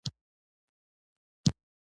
لږ وړاندې یو بل سپین ږیری ورته څه وویل.